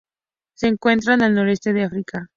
Se encuentra al noroeste de África.